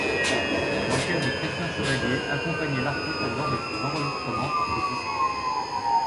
L'orchestre de Christian Chevallier accompagnait l'artiste lors de ses enregistrements pour ce disque.